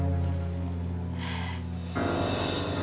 aku sudah mencintai kamila